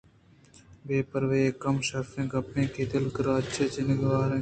بے پروائی ءُکم شرفیں گپ آئی ءِ دل ءَ کارچ ءَ جکک وران اِت اَنت